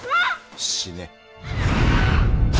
死ね。